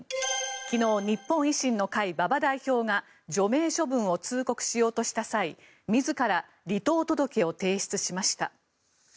昨日日本維新の会、馬場代表が除名処分を通告しようとした際自ら離党届を提出しました。